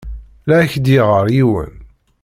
La ak-d-yeɣɣar yiwen.